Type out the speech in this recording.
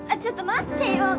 ちょっと待ってよ！